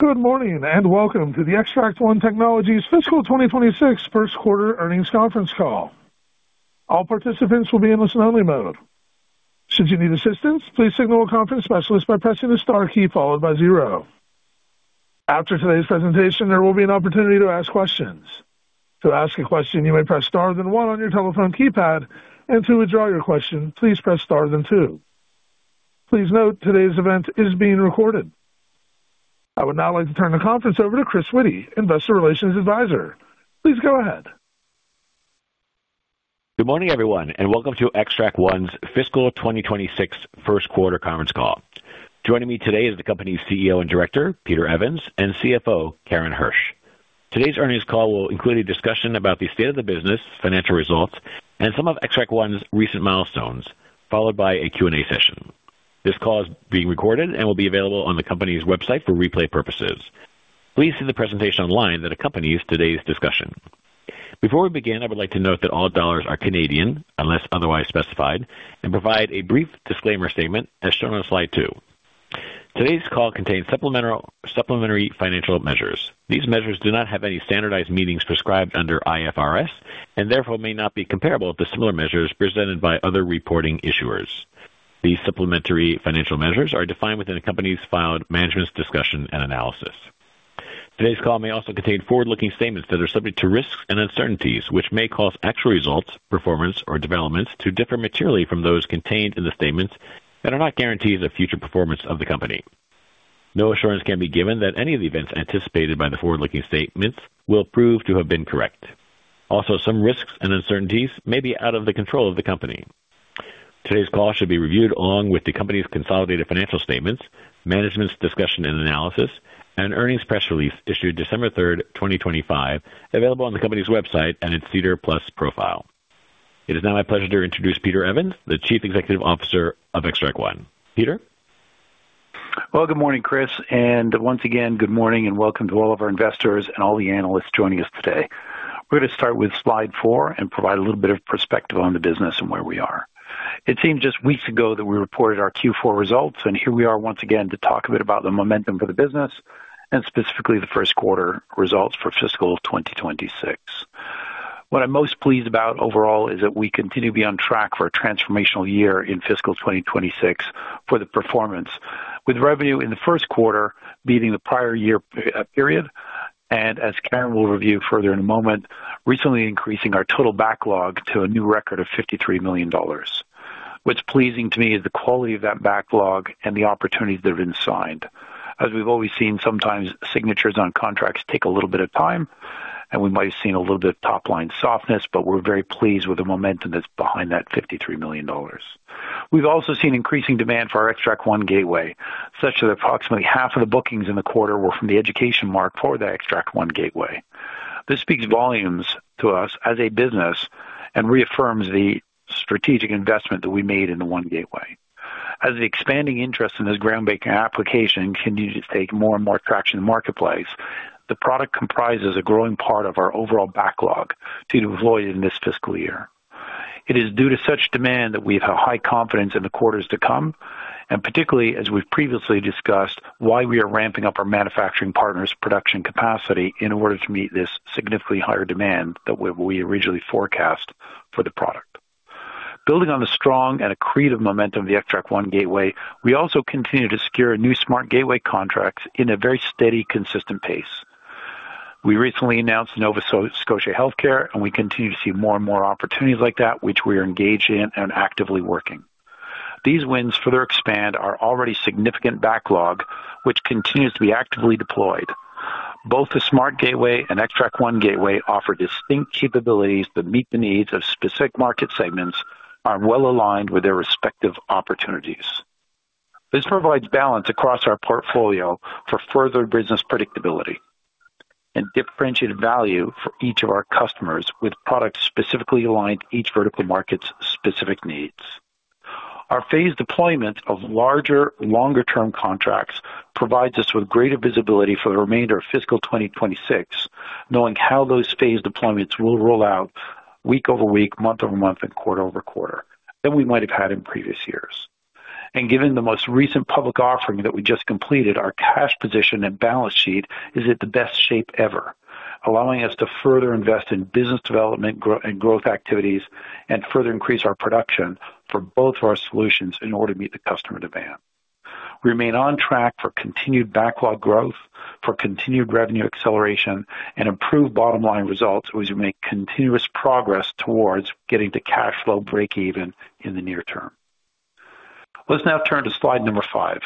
Good morning and welcome to the Xtract One Technologies Fiscal 2026 First Quarter Earnings Conference Call. All participants will be in a listen-only mode. Should you need assistance, please signal a conference specialist by pressing the star key followed by zero. After today's presentation, there will be an opportunity to ask questions. To ask a question, you may press star then one on your telephone keypad, and to withdraw your question, please press star then two. Please note today's event is being recorded. I would now like to turn the conference over to Chris Witty, Investor Relations Advisor. Please go ahead. Good morning, everyone, and welcome to Xtract One's Fiscal 2026 First Quarter Conference Call. Joining me today is the company's CEO and Director, Peter Evans, and CFO, Karen Hersh. Today's earnings call will include a discussion about the state of the business, financial results, and some of Xtract One's recent milestones, followed by a Q&A session. This call is being recorded and will be available on the company's website for replay purposes. Please see the presentation online that accompanies today's discussion. Before we begin, I would like to note that all dollars are Canadian, unless otherwise specified, and provide a brief disclaimer statement as shown on slide two. Today's call contains supplementary financial measures. These measures do not have any standardized meanings prescribed under IFRS and therefore may not be comparable to similar measures presented by other reporting issuers. These supplementary financial measures are defined within the company's filed Management's Discussion and Analysis. Today's call may also contain forward-looking statements that are subject to risks and uncertainties, which may cause actual results, performance, or developments to differ materially from those contained in the statements that are not guarantees of future performance of the company. No assurance can be given that any of the events anticipated by the forward-looking statements will prove to have been correct. Also, some risks and uncertainties may be out of the control of the company. Today's call should be reviewed along with the company's consolidated financial statements, management's discussion and analysis, and earnings press release issued December 3rd, 2025, available on the company's website and its SEDAR+ profile. It is now my pleasure to introduce Peter Evans, the Chief Executive Officer of Xtract One. Peter? Good morning, Chris. And once again, good morning and welcome to all of our investors and all the analysts joining us today. We're going to start with slide four and provide a little bit of perspective on the business and where we are. It seemed just weeks ago that we reported our Q4 results, and here we are once again to talk a bit about the momentum for the business and specifically the first quarter results for fiscal 2026. What I'm most pleased about overall is that we continue to be on track for a transformational year in fiscal 2026 for the performance, with revenue in the first quarter beating the prior year period. And as Karen will review further in a moment, recently increasing our total backlog to a new record of 53 million dollars. What's pleasing to me is the quality of that backlog and the opportunities that have been signed. As we've always seen, sometimes signatures on contracts take a little bit of time, and we might have seen a little bit of top-line softness, but we're very pleased with the momentum that's behind that 53 million dollars. We've also seen increasing demand for our Xtract One Gateway, such that approximately half of the bookings in the quarter were from the education market for the Xtract One Gateway. This speaks volumes to us as a business and reaffirms the strategic investment that we made in the One Gateway. As the expanding interest in this groundbreaking application continues to take more and more traction in the marketplace, the product comprises a growing part of our overall backlog to be deployed in this fiscal year. It is due to such demand that we have high confidence in the quarters to come, and particularly, as we've previously discussed, why we are ramping up our manufacturing partners' production capacity in order to meet this significantly higher demand than what we originally forecast for the product. Building on the strong and accretive momentum of the Xtract One Gateway, we also continue to secure new SmartGateway contracts in a very steady, consistent pace. We recently announced Nova Scotia Health, and we continue to see more and more opportunities like that, which we are engaged in and actively working. These wins further expand our already significant backlog, which continues to be actively deployed. Both the SmartGateway and Xtract One Gateway offer distinct capabilities that meet the needs of specific market segments and are well aligned with their respective opportunities. This provides balance across our portfolio for further business predictability and differentiated value for each of our customers, with products specifically aligned to each vertical market's specific needs. Our phased deployment of larger, longer-term contracts provides us with greater visibility for the remainder of fiscal 2026, knowing how those phased deployments will roll out week over week, month over month, and quarter over quarter than we might have had in previous years, and given the most recent public offering that we just completed, our cash position and balance sheet is at the best shape ever, allowing us to further invest in business development and growth activities and further increase our production for both of our solutions in order to meet the customer demand. We remain on track for continued backlog growth, for continued revenue acceleration, and improved bottom-line results as we make continuous progress towards getting to cash flow break-even in the near term. Let's now turn to slide number five.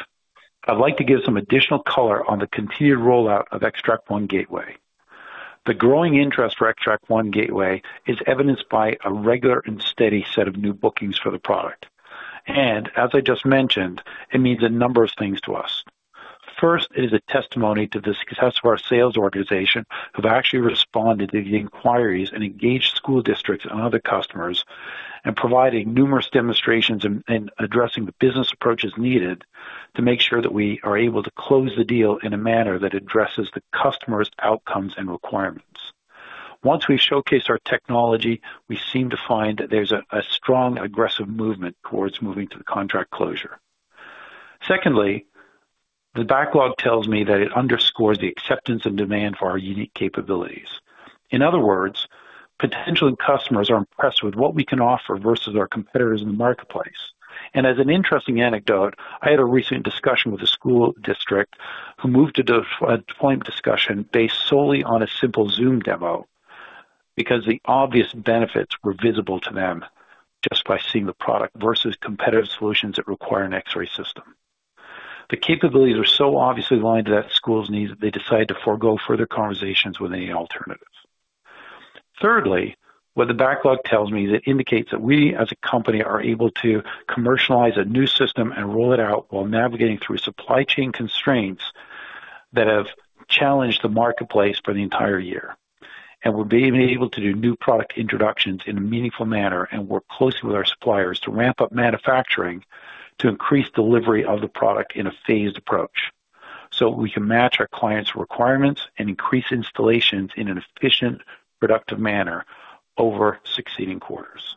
I'd like to give some additional color on the continued rollout of Xtract One Gateway. The growing interest for Xtract One Gateway is evidenced by a regular and steady set of new bookings for the product, and as I just mentioned, it means a number of things to us. First, it is a testimony to the success of our sales organization of actually responding to the inquiries and engaged school districts and other customers, and providing numerous demonstrations and addressing the business approaches needed to make sure that we are able to close the deal in a manner that addresses the customer's outcomes and requirements. Once we showcase our technology, we seem to find that there's a strong, aggressive movement towards moving to the contract closure. Secondly, the backlog tells me that it underscores the acceptance and demand for our unique capabilities. In other words, potential customers are impressed with what we can offer versus our competitors in the marketplace. And as an interesting anecdote, I had a recent discussion with a school district who moved to a deployment discussion based solely on a simple Zoom demo because the obvious benefits were visible to them just by seeing the product versus competitive solutions that require an X-ray system. The capabilities are so obviously aligned to that school's needs that they decide to forgo further conversations with any alternatives. Thirdly, what the backlog tells me indicates that we, as a company, are able to commercialize a new system and roll it out while navigating through supply chain constraints that have challenged the marketplace for the entire year, and we've been able to do new product introductions in a meaningful manner and work closely with our suppliers to ramp up manufacturing to increase delivery of the product in a phased approach so we can match our clients' requirements and increase installations in an efficient, productive manner over succeeding quarters.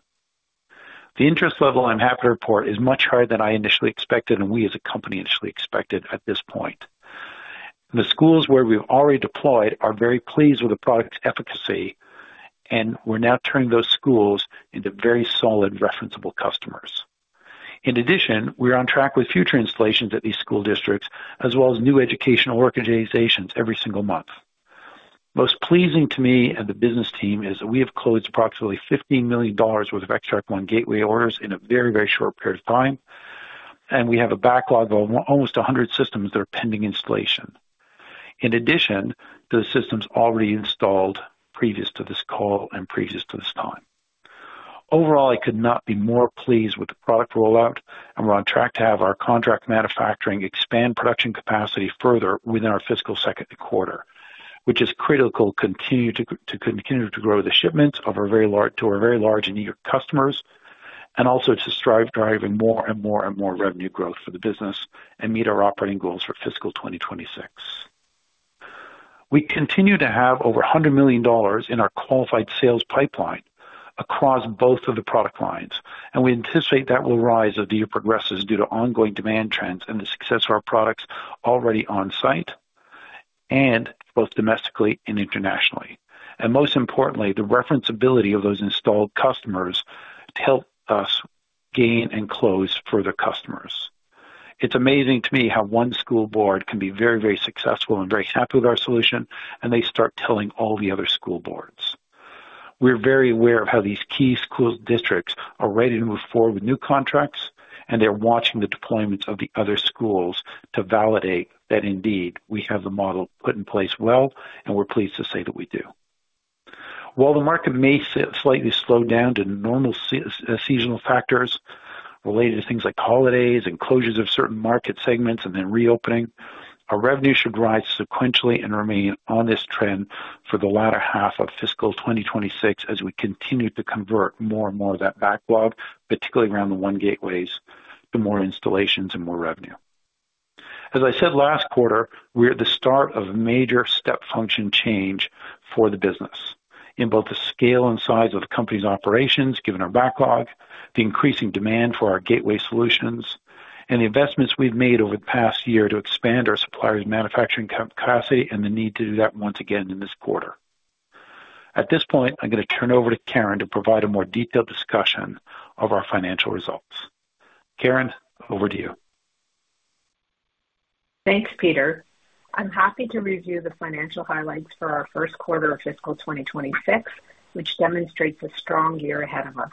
The interest level I'm happy to report is much higher than I initially expected and we as a company initially expected at this point. The schools where we've already deployed are very pleased with the product's efficacy, and we're now turning those schools into very solid, referenceable customers. In addition, we're on track with future installations at these school districts, as well as new educational organizations every single month. Most pleasing to me and the business team is that we have closed approximately 15 million dollars worth of Xtract One Gateway orders in a very, very short period of time, and we have a backlog of almost 100 systems that are pending installation, in addition to the systems already installed previous to this call and previous to this time. Overall, I could not be more pleased with the product rollout, and we're on track to have our contract manufacturing expand production capacity further within our fiscal second quarter, which is critical to continue to grow the shipments to our very large and eager customers and also to strive for driving more and more and more revenue growth for the business and meet our operating goals for fiscal 2026. We continue to have over 100 million dollars in our qualified sales pipeline across both of the product lines, and we anticipate that will rise as the year progresses due to ongoing demand trends and the success of our products already on site and both domestically and internationally, and most importantly, the referenceability of those installed customers to help us gain and close further customers. It's amazing to me how one school board can be very, very successful and very happy with our solution, and they start telling all the other school boards. We're very aware of how these key school districts are ready to move forward with new contracts, and they're watching the deployments of the other schools to validate that indeed we have the model put in place well, and we're pleased to say that we do. While the market may slightly slow down to normal seasonal factors related to things like holidays and closures of certain market segments and then reopening, our revenue should rise sequentially and remain on this trend for the latter half of fiscal 2026 as we continue to convert more and more of that backlog, particularly around the One Gateways, to more installations and more revenue. As I said last quarter, we're at the start of a major step function change for the business in both the scale and size of the company's operations given our backlog, the increasing demand for our gateway solutions, and the investments we've made over the past year to expand our supplier's manufacturing capacity and the need to do that once again in this quarter. At this point, I'm going to turn over to Karen to provide a more detailed discussion of our financial results. Karen, over to you. Thanks, Peter. I'm happy to review the financial highlights for our first quarter of fiscal 2026, which demonstrates a strong year ahead of us.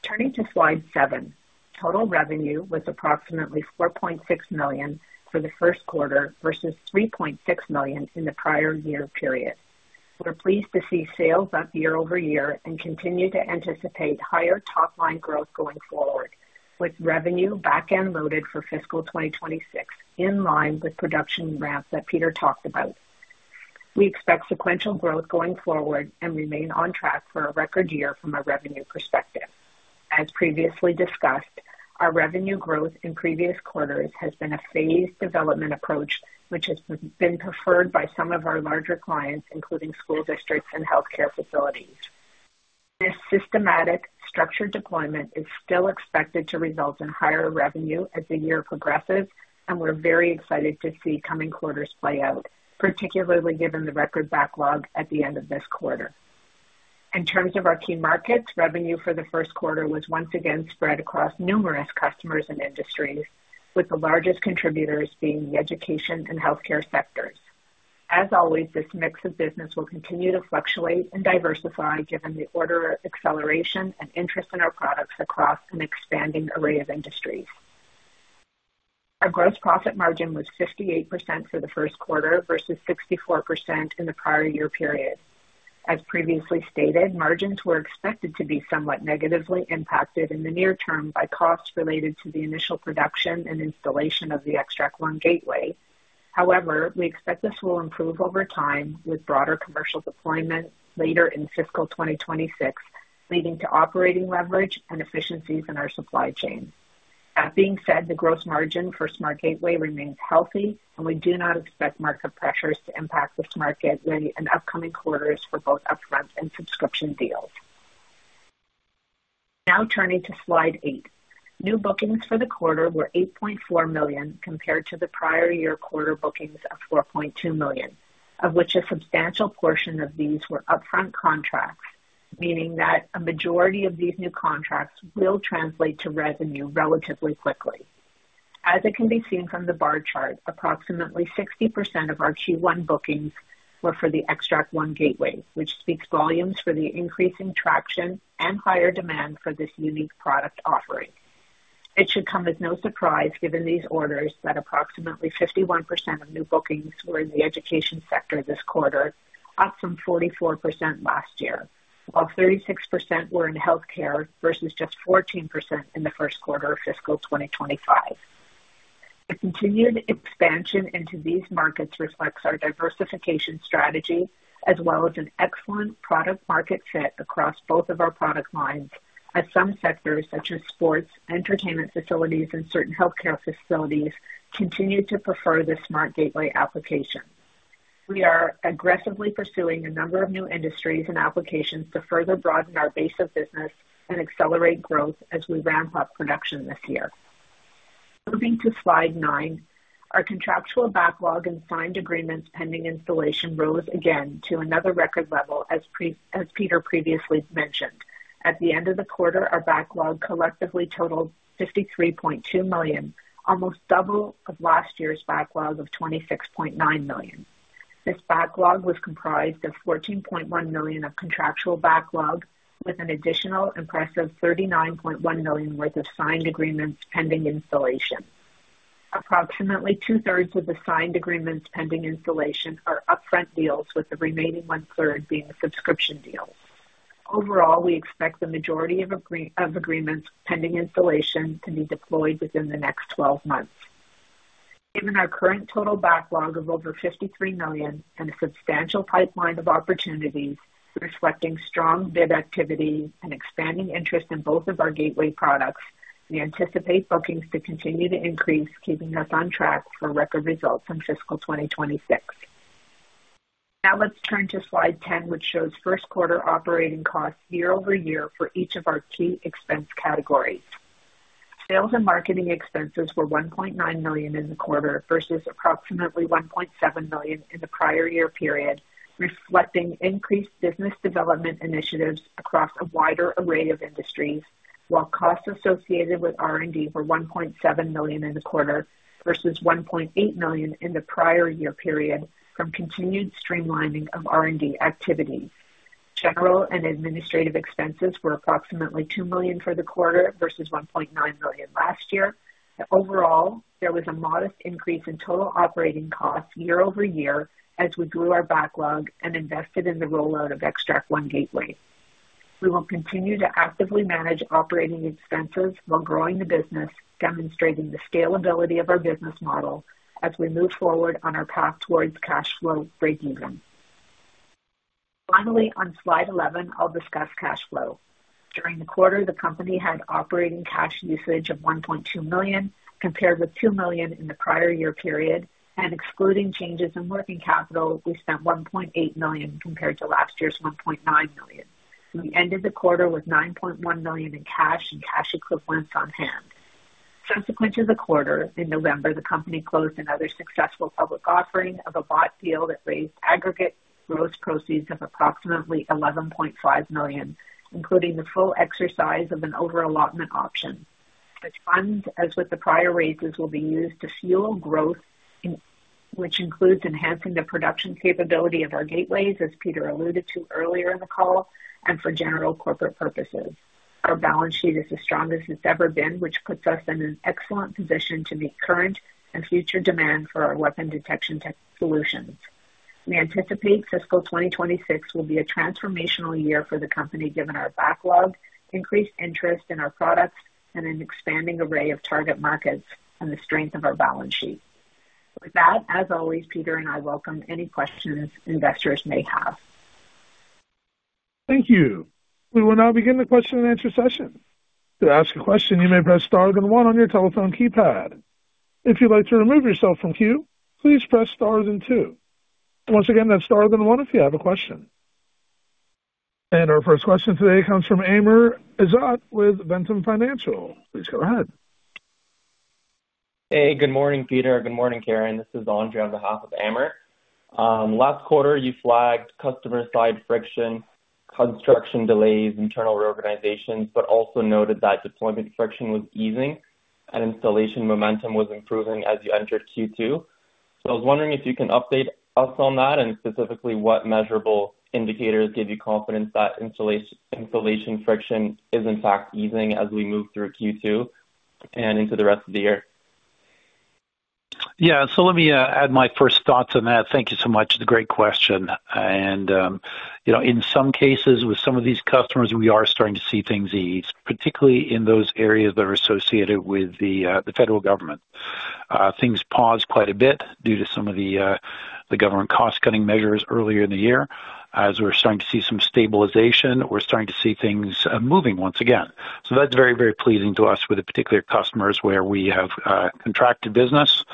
Turning to slide seven, total revenue was approximately 4.6 million for the first quarter versus 3.6 million in the prior year period. We're pleased to see sales up year-over-year and continue to anticipate higher top-line growth going forward, with revenue back-end loaded for fiscal 2026 in line with production ramp that Peter talked about. We expect sequential growth going forward and remain on track for a record year from a revenue perspective. As previously discussed, our revenue growth in previous quarters has been a phased development approach, which has been preferred by some of our larger clients, including school districts and healthcare facilities. This systematic, structured deployment is still expected to result in higher revenue as the year progresses, and we're very excited to see coming quarters play out, particularly given the record backlog at the end of this quarter. In terms of our key markets, revenue for the first quarter was once again spread across numerous customers and industries, with the largest contributors being the education and healthcare sectors. As always, this mix of business will continue to fluctuate and diversify given the order of acceleration and interest in our products across an expanding array of industries. Our gross profit margin was 58% for the first quarter versus 64% in the prior year period. As previously stated, margins were expected to be somewhat negatively impacted in the near term by costs related to the initial production and installation of the Xtract One Gateway. However, we expect this will improve over time with broader commercial deployment later in fiscal 2026, leading to operating leverage and efficiencies in our supply chain. That being said, the gross margin for SmartGateway remains healthy, and we do not expect market pressures to impact this market in upcoming quarters for both upfront and subscription deals. Now turning to slide eight, new bookings for the quarter were 8.4 million compared to the prior year quarter bookings of 4.2 million, of which a substantial portion of these were upfront contracts, meaning that a majority of these new contracts will translate to revenue relatively quickly. As it can be seen from the bar chart, approximately 60% of our Q1 bookings were for the Xtract One Gateway, which speaks volumes for the increasing traction and higher demand for this unique product offering. It should come as no surprise given these orders that approximately 51% of new bookings were in the education sector this quarter, up from 44% last year, while 36% were in healthcare versus just 14% in the first quarter of fiscal 2025. The continued expansion into these markets reflects our diversification strategy as well as an excellent product-market fit across both of our product lines, as some sectors such as sports, entertainment facilities, and certain healthcare facilities continue to prefer the SmartGateway application. We are aggressively pursuing a number of new industries and applications to further broaden our base of business and accelerate growth as we ramp up production this year. Moving to slide nine, our contractual backlog and signed agreements pending installation rose again to another record level, as Peter previously mentioned. At the end of the quarter, our backlog collectively totaled 53.2 million, almost double of last year's backlog of 26.9 million. This backlog was comprised of 14.1 million of contractual backlog with an additional impressive 39.1 million worth of signed agreements pending installation. Approximately two-thirds of the signed agreements pending installation are upfront deals, with the remaining one-third being subscription deals. Overall, we expect the majority of agreements pending installation to be deployed within the next 12 months. Given our current total backlog of over 53 million and a substantial pipeline of opportunities reflecting strong bid activity and expanding interest in both of our gateway products, we anticipate bookings to continue to increase, keeping us on track for record results in fiscal 2026. Now let's turn to slide 10, which shows first quarter operating costs year-over-year for each of our key expense categories. Sales and marketing expenses were 1.9 million in the quarter versus approximately 1.7 million in the prior year period, reflecting increased business development initiatives across a wider array of industries, while costs associated with R&D were 1.7 million in the quarter versus 1.8 million in the prior year period from continued streamlining of R&D activity. General and administrative expenses were approximately 2 million for the quarter versus 1.9 million last year. Overall, there was a modest increase in total operating costs year-over-year as we grew our backlog and invested in the rollout of Xtract One Gateway. We will continue to actively manage operating expenses while growing the business, demonstrating the scalability of our business model as we move forward on our path towards cash flow break-even. Finally, on slide 11, I'll discuss cash flow. During the quarter, the company had operating cash usage of 1.2 million compared with 2 million in the prior year period, and excluding changes in working capital, we spent 1.8 million compared to last year's 1.9 million. We ended the quarter with 9.1 million in cash and cash equivalents on hand. Subsequent to the quarter, in November, the company closed another successful public offering of a bought deal that raised aggregate gross proceeds of approximately 11.5 million, including the full exercise of an over-allotment option. The funds, as with the prior raises, will be used to fuel growth, which includes enhancing the production capability of our gateways, as Peter alluded to earlier in the call, and for general corporate purposes. Our balance sheet is as strong as it's ever been, which puts us in an excellent position to meet current and future demand for our weapon detection solutions. We anticipate fiscal 2026 will be a transformational year for the company given our backlog, increased interest in our products, and an expanding array of target markets and the strength of our balance sheet. With that, as always, Peter and I welcome any questions investors may have. Thank you. We will now begin the question-and-answer session. To ask a question, you may press star and one on your telephone keypad. If you'd like to remove yourself from queue, please press star and two. Once again, that's star and one if you have a question. And our first question today comes from Amr Ezzat with Ventum Financial. Please go ahead. Hey, good morning, Peter. Good morning, Karen. This is Andre on behalf of Amr. Last quarter, you flagged customer-side friction, construction delays, internal reorganizations, but also noted that deployment friction was easing and installation momentum was improving as you entered Q2. So I was wondering if you can update us on that and specifically what measurable indicators give you confidence that installation friction is, in fact, easing as we move through Q2 and into the rest of the year? Yeah, so let me add my first thoughts on that. Thank you so much. It's a great question, and in some cases, with some of these customers, we are starting to see things ease, particularly in those areas that are associated with the federal government. Things paused quite a bit due to some of the government cost-cutting measures earlier in the year. As we're starting to see some stabilization, we're starting to see things moving once again, so that's very, very pleasing to us with particular customers where we have contracted business,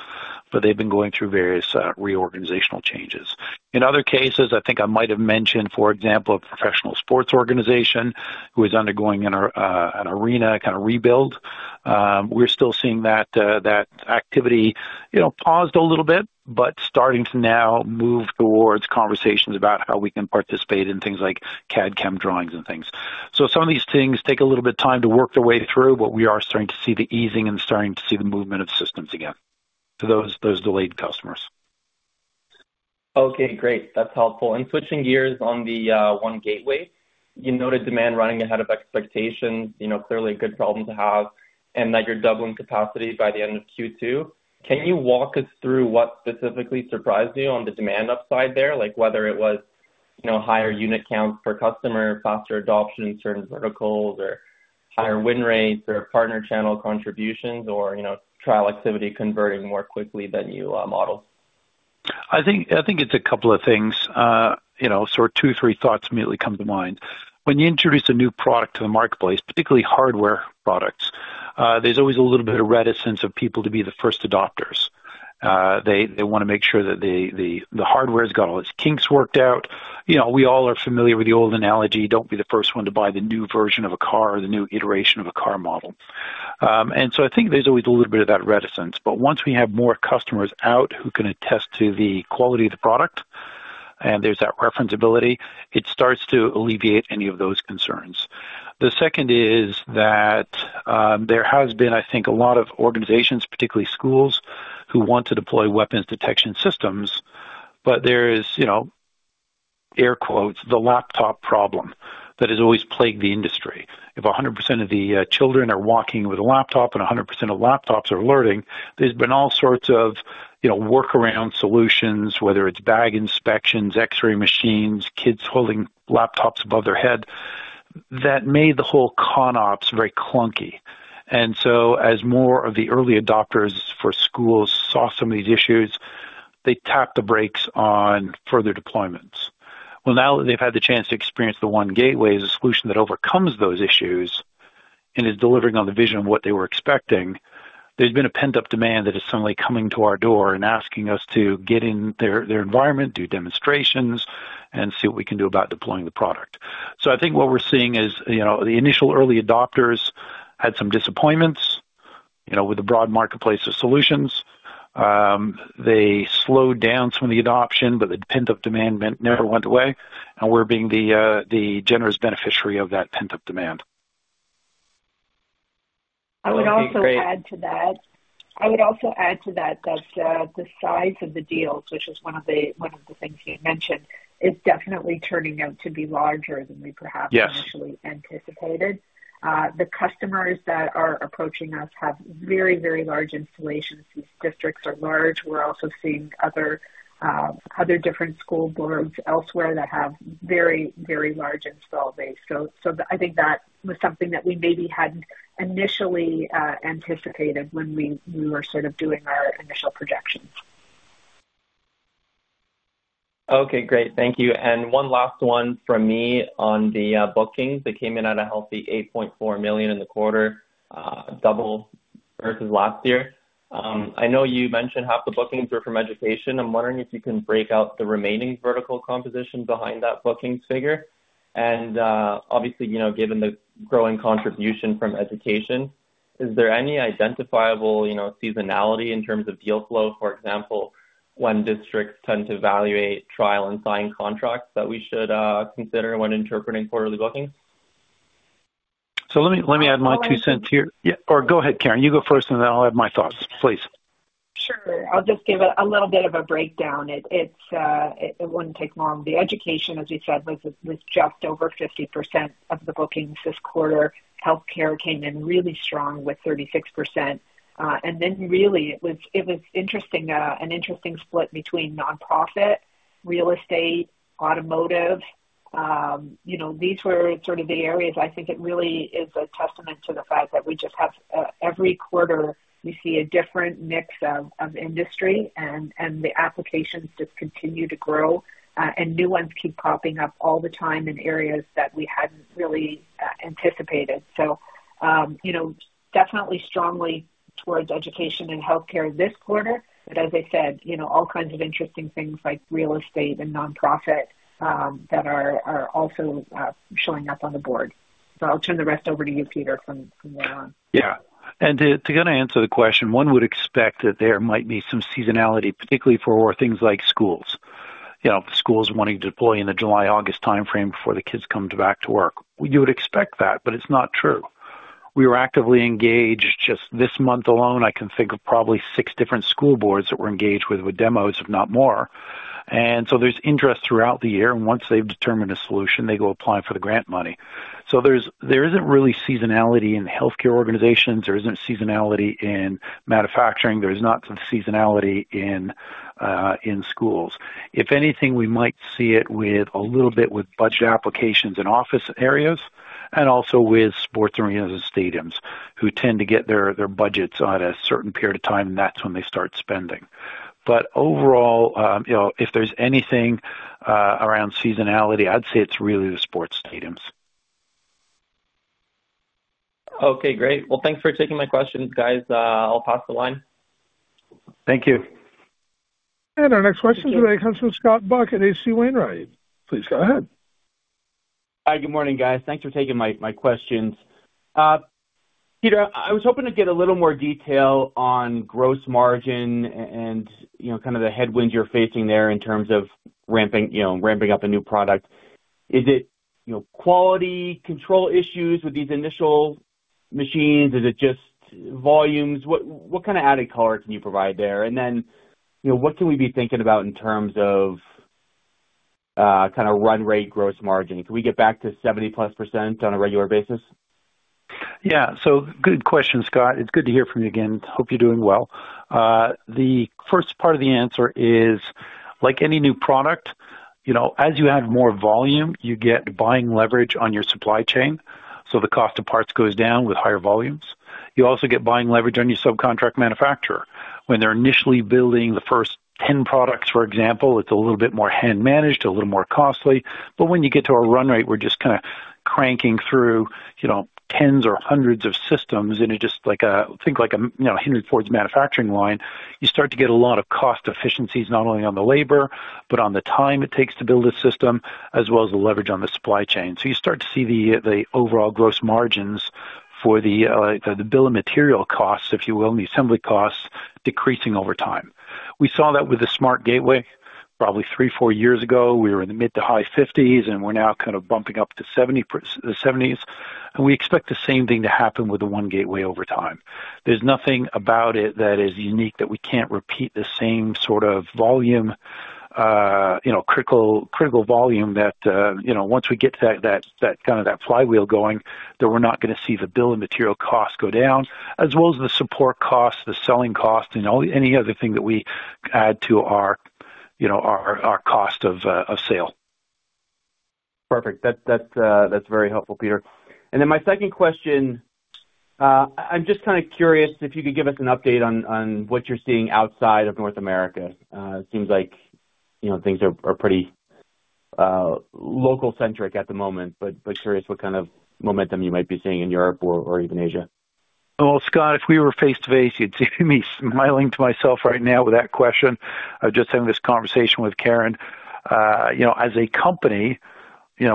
but they've been going through various reorganizational changes. In other cases, I think I might have mentioned, for example, a professional sports organization who is undergoing an arena kind of rebuild. We're still seeing that activity paused a little bit, but starting to now move towards conversations about how we can participate in things like CAD/CAM drawings and things, so some of these things take a little bit of time to work their way through, but we are starting to see the easing and starting to see the movement of systems again to those delayed customers. Okay, great. That's helpful. And switching gears on the One Gateway, you noted demand running ahead of expectations, clearly a good problem to have, and that you're doubling capacity by the end of Q2. Can you walk us through what specifically surprised you on the demand upside there, like whether it was higher unit counts per customer, faster adoption in certain verticals, or higher win rates, or partner channel contributions, or trial activity converting more quickly than you modeled? I think it's a couple of things. Sort of two or three thoughts immediately come to mind. When you introduce a new product to the marketplace, particularly hardware products, there's always a little bit of reticence of people to be the first adopters. They want to make sure that the hardware's got all its kinks worked out. We all are familiar with the old analogy, don't be the first one to buy the new version of a car or the new iteration of a car model. And so I think there's always a little bit of that reticence. But once we have more customers out who can attest to the quality of the product and there's that referenceability, it starts to alleviate any of those concerns. The second is that there has been, I think, a lot of organizations, particularly schools, who want to deploy weapons detection systems, but there is, air quotes, the laptop problem that has always plagued the industry. If 100% of the children are walking with a laptop and 100% of laptops are alerting, there's been all sorts of workaround solutions, whether it's bag inspections, X-ray machines, kids holding laptops above their head, that made the whole CONOPS very clunky. And so as more of the early adopters for schools saw some of these issues, they tapped the brakes on further deployments. Well, now that they've had the chance to experience the One Gateway as a solution that overcomes those issues and is delivering on the vision of what they were expecting, there's been a pent-up demand that is suddenly coming to our door and asking us to get in their environment, do demonstrations, and see what we can do about deploying the product. So I think what we're seeing is the initial early adopters had some disappointments with the broad marketplace of solutions. They slowed down some of the adoption, but the pent-up demand never went away, and we're being the generous beneficiary of that pent-up demand. I would also add to that. I would also add to that that the size of the deals, which is one of the things you mentioned, is definitely turning out to be larger than we perhaps initially anticipated. The customers that are approaching us have very, very large installations. These districts are large. We're also seeing other different school boards elsewhere that have very, very large install bases. So I think that was something that we maybe hadn't initially anticipated when we were sort of doing our initial projections. Okay, great. Thank you. And one last one from me on the bookings. It came in at a healthy 8.4 million in the quarter, double versus last year. I know you mentioned half the bookings were from education. I'm wondering if you can break out the remaining vertical composition behind that bookings figure. And obviously, given the growing contribution from education, is there any identifiable seasonality in terms of deal flow, for example, when districts tend to evaluate trial and sign contracts that we should consider when interpreting quarterly bookings? So let me add my two cents here. Or go ahead, Karen. You go first, and then I'll add my thoughts, please. Sure. I'll just give a little bit of a breakdown. It wouldn't take long. The education, as we said, was just over 50% of the bookings this quarter. Healthcare came in really strong with 36%. And then really, it was an interesting split between nonprofit, real estate, automotive. These were sort of the areas I think it really is a testament to the fact that we just have every quarter, we see a different mix of industry, and the applications just continue to grow, and new ones keep popping up all the time in areas that we hadn't really anticipated. So definitely strongly towards education and healthcare this quarter, but as I said, all kinds of interesting things like real estate and nonprofit that are also showing up on the board. So I'll turn the rest over to you, Peter, from there on. Yeah. And to kind of answer the question, one would expect that there might be some seasonality, particularly for things like schools, schools wanting to deploy in the July-August timeframe before the kids come back to work. You would expect that, but it's not true. We were actively engaged just this month alone. I can think of probably six different school boards that were engaged with demos, if not more. And so there's interest throughout the year, and once they've determined a solution, they go apply for the grant money. So there isn't really seasonality in healthcare organizations. There isn't seasonality in manufacturing. There's not some seasonality in schools. If anything, we might see it a little bit with budget applications in office areas and also with sports arenas and stadiums who tend to get their budgets on a certain period of time, and that's when they start spending. But overall, if there's anything around seasonality, I'd say it's really the sports stadiums. Okay, great. Well, thanks for taking my questions, guys. I'll pass the line. Thank you. Our next question today comes from Scott Buck at H.C. Wainwright. Please go ahead. Hi, good morning, guys. Thanks for taking my questions. Peter, I was hoping to get a little more detail on gross margin and kind of the headwinds you're facing there in terms of ramping up a new product. Is it quality control issues with these initial machines? Is it just volumes? What kind of added color can you provide there? And then what can we be thinking about in terms of kind of run rate gross margin? Can we get back to 70%+ on a regular basis? Yeah. So, good question, Scott. It's good to hear from you again. Hope you're doing well. The first part of the answer is, like any new product, as you have more volume, you get buying leverage on your supply chain. So the cost of parts goes down with higher volumes. You also get buying leverage on your subcontract manufacturer. When they're initially building the first 10 products, for example, it's a little bit more hand-managed, a little more costly. But when you get to our run rate, we're just kind of cranking through tens or hundreds of systems, and it's just like Henry Ford's manufacturing line. You start to get a lot of cost efficiencies, not only on the labor, but on the time it takes to build a system, as well as the leverage on the supply chain. You start to see the overall gross margins for the bill of material costs, if you will, and the assembly costs decreasing over time. We saw that with the SmartGateway probably three, four years ago. We were in the mid- to high 50s, and we're now kind of bumping up to the 70s. We expect the same thing to happen with the One Gateway over time. There's nothing about it that is unique that we can't repeat the same sort of volume, critical volume that once we get that kind of flywheel going, that we're not going to see the bill of material costs go down, as well as the support costs, the selling costs, and any other thing that we add to our cost of sale. Perfect. That's very helpful, Peter. And then my second question, I'm just kind of curious if you could give us an update on what you're seeing outside of North America. It seems like things are pretty local-centric at the moment, but curious what kind of momentum you might be seeing in Europe or even Asia. Scott, if we were face-to-face, you'd see me smiling to myself right now with that question. I was just having this conversation with Karen. As a company,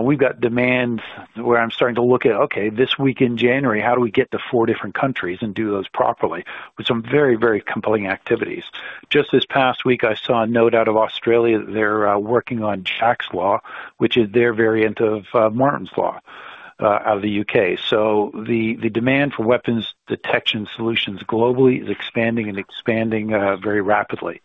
we've got demands where I'm starting to look at, okay, this week in January, how do we get to four different countries and do those properly with some very, very compelling activities? Just this past week, I saw a note out of Australia that they're working on Jack's Law, which is their variant of Martyn's Law out of the U.K. So the demand for weapons detection solutions globally is expanding and expanding very rapidly.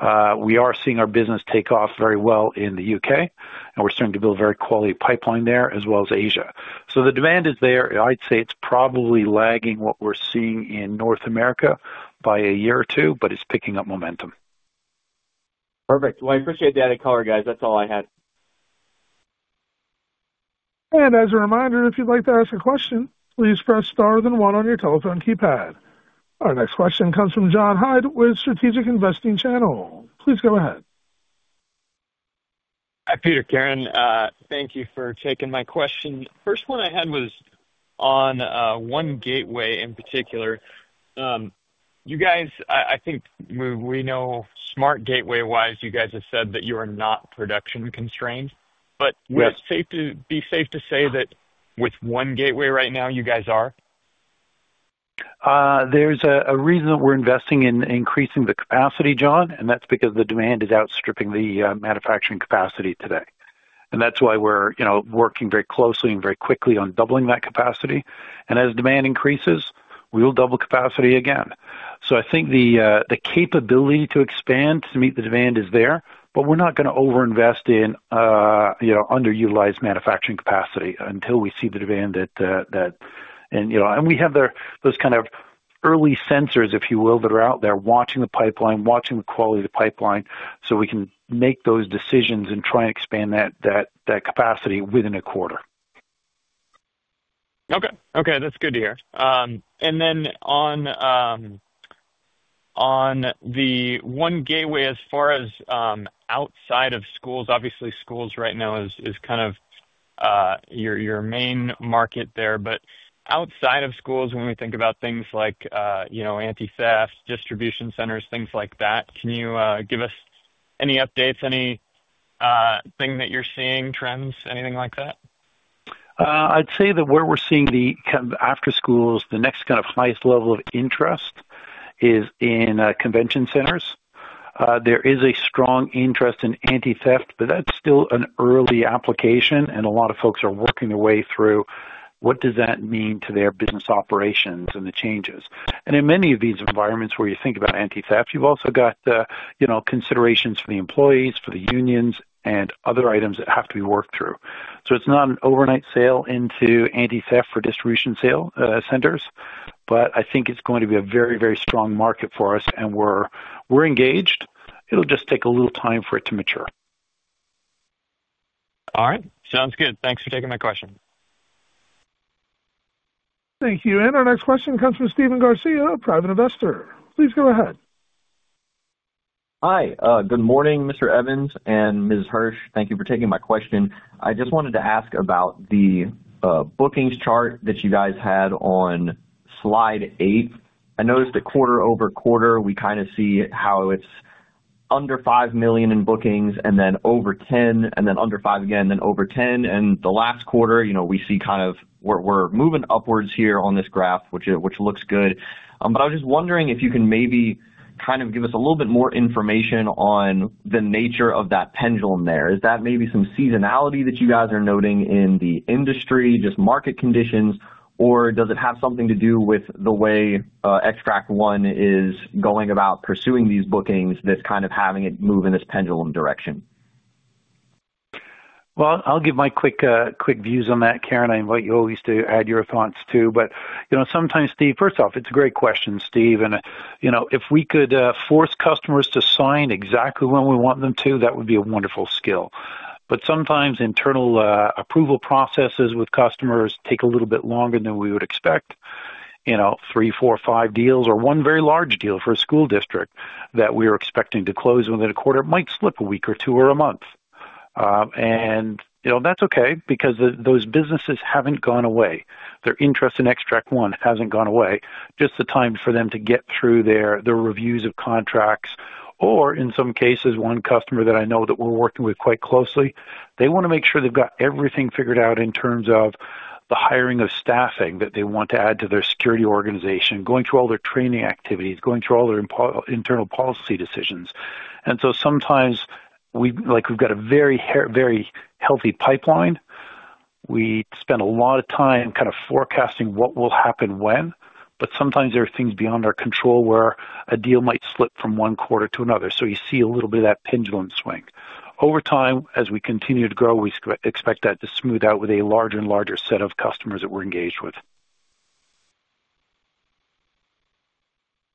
We are seeing our business take off very well in the U.K., and we're starting to build a very quality pipeline there, as well as Asia, so the demand is there. I'd say it's probably lagging what we're seeing in North America by a year or two, but it's picking up momentum. Perfect. Well, I appreciate the added color, guys. That's all I had. And as a reminder, if you'd like to ask a question, please press star then one on your telephone keypad. Our next question comes from John Hyde with Strategic Investing Channel. Please go ahead. Hi, Peter. Karen, thank you for taking my question. First one I had was on One Gateway in particular. You guys, I think we know SmartGateway-wise, you guys have said that you are not production constrained. But would it be safe to say that with One Gateway right now, you guys are? There's a reason that we're investing in increasing the capacity, John, and that's because the demand is outstripping the manufacturing capacity today, and that's why we're working very closely and very quickly on doubling that capacity, and as demand increases, we will double capacity again, so I think the capability to expand to meet the demand is there, but we're not going to overinvest in underutilized manufacturing capacity until we see the demand and we have those kind of early sensors, if you will, that are out there watching the pipeline, watching the quality of the pipeline, so we can make those decisions and try and expand that capacity within a quarter. Okay. Okay. That's good to hear. And then on the One Gateway, as far as outside of schools, obviously, schools right now is kind of your main market there. But outside of schools, when we think about things like anti-theft, distribution centers, things like that, can you give us any updates, anything that you're seeing, trends, anything like that? I'd say that where we're seeing the kind of after-schools, the next kind of highest level of interest is in convention centers. There is a strong interest in anti-theft, but that's still an early application, and a lot of folks are working their way through what does that mean to their business operations and the changes and in many of these environments where you think about anti-theft, you've also got considerations for the employees, for the unions, and other items that have to be worked through so it's not an overnight sale into anti-theft for distribution centers, but I think it's going to be a very, very strong market for us, and we're engaged. It'll just take a little time for it to mature. All right. Sounds good. Thanks for taking my question. Thank you. And our next question comes from Stephen Garcia, a private investor. Please go ahead. Hi. Good morning, Mr. Evans and Ms. Hersh. Thank you for taking my question. I just wanted to ask about the bookings chart that you guys had on slide eight. I noticed that quarter over quarter, we kind of see how it's under five million in bookings, and then over 10, and then under five again, then over 10. And the last quarter, we see kind of we're moving upwards here on this graph, which looks good. But I was just wondering if you can maybe kind of give us a little bit more information on the nature of that pendulum there. Is that maybe some seasonality that you guys are noting in the industry, just market conditions, or does it have something to do with the way Xtract One is going about pursuing these bookings, this kind of having it move in this pendulum direction? Well, I'll give my quick views on that. Karen, I invite you always to add your thoughts too. But sometimes, Stephen, first off, it's a great question, Stephen. And if we could force customers to sign exactly when we want them to, that would be a wonderful skill. But sometimes internal approval processes with customers take a little bit longer than we would expect. Three, four, five deals, or one very large deal for a school district that we are expecting to close within a quarter might slip a week or two or a month. And that's okay because those businesses haven't gone away. Their interest in Xtract One hasn't gone away. Just the time for them to get through their reviews of contracts. Or in some cases, one customer that I know that we're working with quite closely, they want to make sure they've got everything figured out in terms of the hiring of staffing that they want to add to their security organization, going through all their training activities, going through all their internal policy decisions. And so sometimes we've got a very, very healthy pipeline. We spend a lot of time kind of forecasting what will happen when, but sometimes there are things beyond our control where a deal might slip from one quarter to another. So you see a little bit of that pendulum swing. Over time, as we continue to grow, we expect that to smooth out with a larger and larger set of customers that we're engaged with.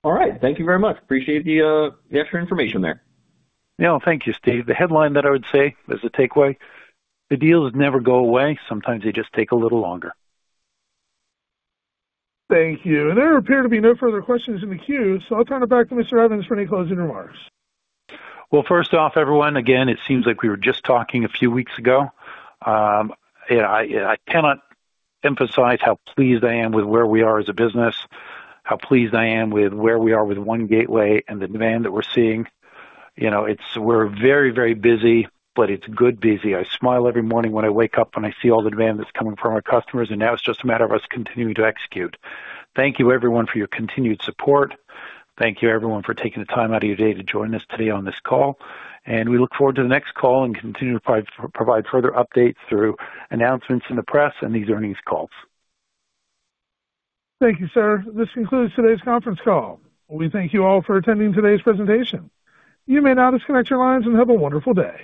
All right. Thank you very much. Appreciate the extra information there. Yeah. Thank you, Stephen. The headline that I would say as a takeaway, the deals never go away. Sometimes they just take a little longer. Thank you, and there appear to be no further questions in the queue, so I'll turn it back to Mr. Evans for any closing remarks. First off, everyone, again, it seems like we were just talking a few weeks ago. I cannot emphasize how pleased I am with where we are as a business, how pleased I am with where we are with One Gateway and the demand that we're seeing. We're very, very busy, but it's good busy. I smile every morning when I wake up and I see all the demand that's coming from our customers, and now it's just a matter of us continuing to execute. Thank you, everyone, for your continued support. Thank you, everyone, for taking the time out of your day to join us today on this call. We look forward to the next call and continue to provide further updates through announcements in the press and these earnings calls. Thank you, sir. This concludes today's conference call. We thank you all for attending today's presentation. You may now disconnect your lines and have a wonderful day.